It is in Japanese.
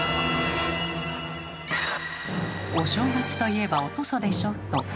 「お正月といえばお屠蘇でしょ」と